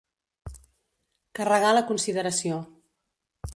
Carregar la consideració.